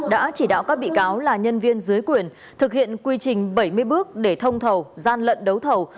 đã chỉ đạo các bị cáo là nhân viên dưới quyền thực hiện quy trình bảy mươi bước để thông thầu gian lận đấu thầu